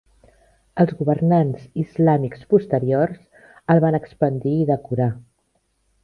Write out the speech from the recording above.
Els governants islàmics posteriors el van expandir i decorar.